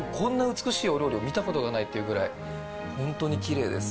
美しいお料理を見たことがないっていうぐらいほんとにきれいです。